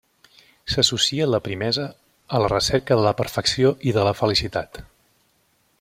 S'associa la primesa a la recerca de la perfecció i de la felicitat.